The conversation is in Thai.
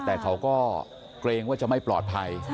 แต่เขาก็เกรงว่าจะไม่ปลอดภัย